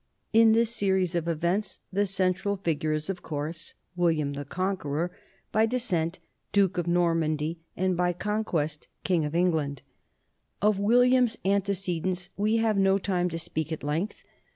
In this series of events the central figure is, of course, William the Con queror, by descent duke of Normandy and by conquest king of England. Of William's antecedents we have no time to speak at length.